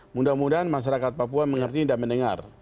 mudah mudahan masyarakat papua mengerti dan mendengar